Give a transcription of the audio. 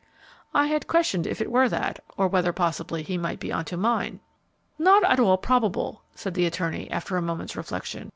"I had questioned if it were that, or whether possibly he might be onto mine." "Not at all probable," said the attorney, after a moment's reflection.